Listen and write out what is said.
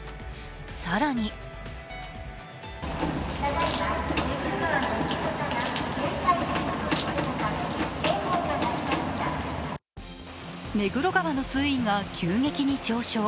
更に目黒川の水位が急激に上昇。